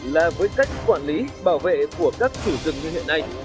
là với cách quản lý bảo vệ của các chủ rừng như hiện nay